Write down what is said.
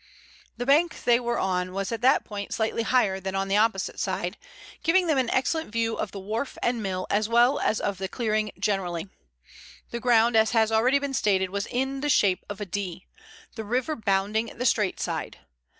The bank they were on was at that point slightly higher than on the opposite side, giving them an excellent view of the wharf and mill as well as of the clearing generally. The ground, as has already been stated, was in the shape of a D, the river bounding the straight side.